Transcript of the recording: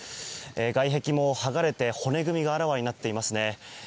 外壁も剥がれて、骨組みがあらわになっていますね。